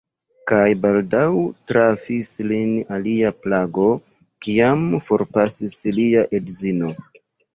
Kaj baldaŭ trafis lin alia plago, kiam forpasis lia edzino.